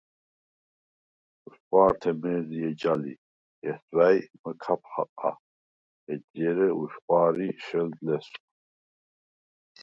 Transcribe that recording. უშხვა̄რთე მე̄ზი ეჯა ლი, ჲესვა̄̈ჲს მჷქაფ ხაყა, ეჯჟ’ ე̄რე უშხვა̄რი შელდ ლესვხ.